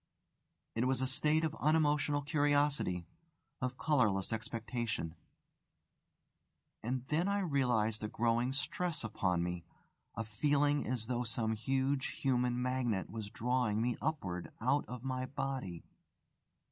It was a state of unemotional curiosity, of colourless expectation. And then I realised a growing stress upon me, a feeling as though some huge human magnet was drawing me upward out of my body.